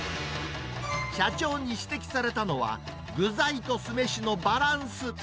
社長に指摘されたのは、具材と酢飯のバランス。